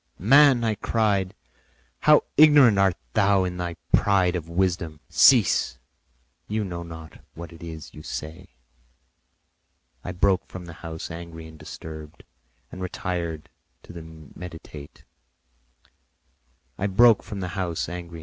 "Man," I cried, "how ignorant art thou in thy pride of wisdom! Cease; you know not what it is you say." I broke from the house angry and disturbed and retired to meditate on some other mode of action.